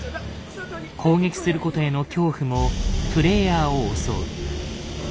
攻撃することへの恐怖もプレイヤーを襲う。